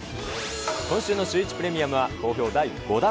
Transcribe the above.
今週のシューイチプレミアムは好評第５弾。